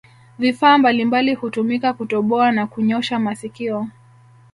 Vifaa mbalimbali hutumika kutoboa na kunyosha masikio